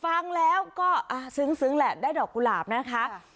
ฟังแล้วก็ซึ้งแหละได้ดอกกุหลาบนะคะ